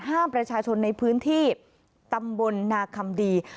ห้ามประชาชนในพื้นที่ตำบลนาคำดี